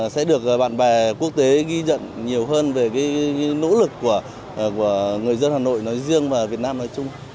sẽ được bạn bè quốc tế ghi nhận nhiều hơn về nỗ lực của người dân hà nội nói riêng và việt nam nói chung